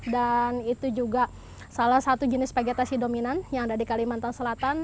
dan itu juga salah satu jenis vegetasi dominan yang ada di kalimantan selatan